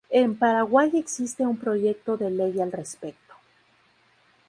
En Paraguay existe un proyecto de ley al respecto.